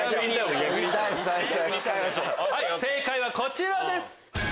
正解はこちらです。